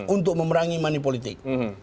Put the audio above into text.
untuk memerangi mani politik